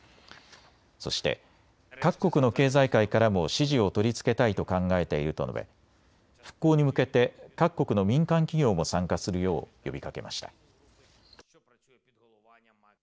そして各国の経済界からも支持を取り付けたいと考えていると述べ復興に向けて各国の民間企業も参加するよう呼びかけました。